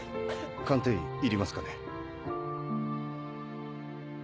鑑定医いりますかね？